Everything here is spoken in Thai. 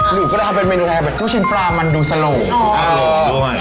หนูก็จะทำเป็นเมนูแตดแบบดู้ชิ้นปลามันดูโทรศาสตร์สะโหลด้วย